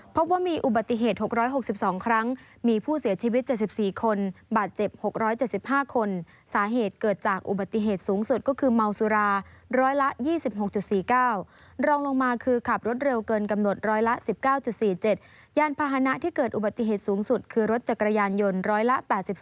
พบว่ามีอุบัติเหตุ๖๖๒ครั้งมีผู้เสียชีวิต๗๔คนบาดเจ็บ๖๗๕คนสาเหตุเกิดจากอุบัติเหตุสูงสุดก็คือเมาสุราร้อยละ๒๖๔๙รองลงมาคือขับรถเร็วเกินกำหนดร้อยละ๑๙๔๗ยานพาหนะที่เกิดอุบัติเหตุสูงสุดคือรถจักรยานยนต์ร้อยละ๘๒